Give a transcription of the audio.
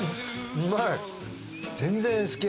うまい！